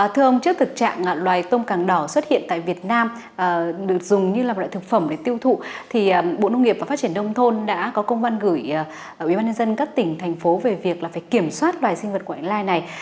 thưa ông trước thực trạng loài tôm càng đỏ xuất hiện tại việt nam được dùng như là một loại thực phẩm để tiêu thụ bộ nông nghiệp và phát triển nông thôn đã có công văn gửi ubnd các tỉnh thành phố về việc kiểm soát loài sinh vật của ảnh lai này